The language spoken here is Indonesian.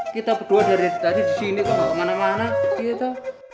kita berdua dari tadi disini kemana mana gitu